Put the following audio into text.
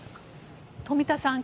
冨田さん